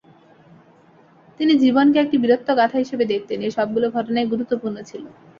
তিনি জীবনকে একটি বীরত্বগাথা হিসেবে দেখতেন, এর সবগুলো ঘটনাই গুরুত্বপূর্ণ ছিল।